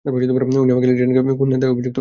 উনি আমাকে লিনেটকে খুনের দায়ে অভিযুক্ত করছেন!